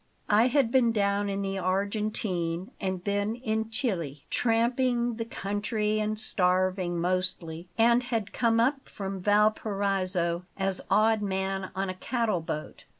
I had been down in the Argentine, and then in Chili, tramping the country and starving, mostly; and had come up from Valparaiso as odd man on a cattle boat.